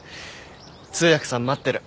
通訳さん待ってる。